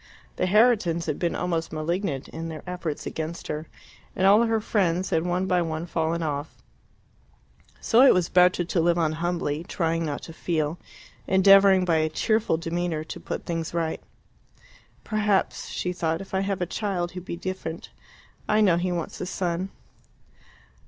The Herritons had been almost malignant in their efforts against her, and all her friends had one by one fallen off. So it was better to live on humbly, trying not to feel, endeavouring by a cheerful demeanour to put things right. "Perhaps," she thought, "if I have a child he will be different. I know he wants a son."